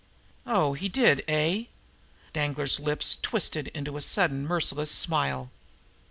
"Oh, he did, eh!" Danglar's lips twisted into a sudden, merciless smile.